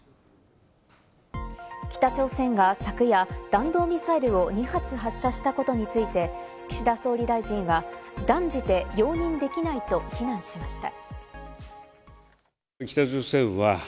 北朝鮮が昨夜、弾道ミサイルを２発発射したことについて、岸田総理大臣は断じて容認できないと非難しました。